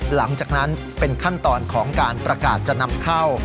หลังจากนั้นเป็นขั้นตอนของการประกาศจะนำเข้า